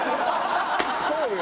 そうよ。